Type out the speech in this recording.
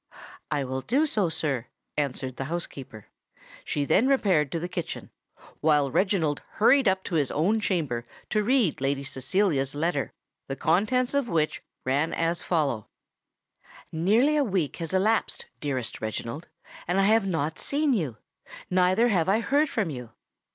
"I will do so, sir," answered the housekeeper. She then repaired to the kitchen, while Reginald hurried up to his own chamber to read Lady Cecilia's letter, the contents of which ran as follow:— "Nearly a week has elapsed, dearest Reginald, and I have not seen you! neither have I heard from you.